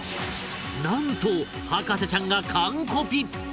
なんと博士ちゃんが完コピ！